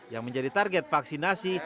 yang menjadi target vaksinasi